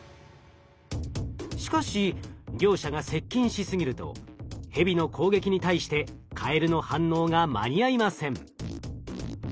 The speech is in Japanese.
しかし両者が接近しすぎるとヘビの攻撃に対してカエルの反応が間に合いません。